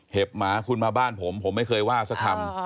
หมาคุณมาบ้านผมผมไม่เคยว่าสักคำ